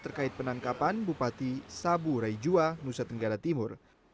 terkait penangkapan bupati sabu raijua nusa tenggara timur